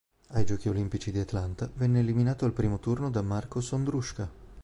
Ai Giochi olimpici di Atlanta venne eliminato al primo turno da Marcos Ondruska.